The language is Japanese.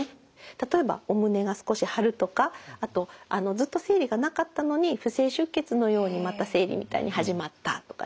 例えばお胸が少し張るとかあとずっと生理がなかったのに不正出血のようにまた生理みたいに始まったとかですね